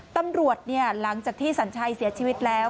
หลังจากที่สัญชัยเสียชีวิตแล้ว